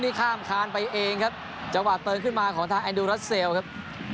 นี่ข้ามคานไปเองครับจังหวะเติมขึ้นมาของทางแอนดูรัสเซลครับ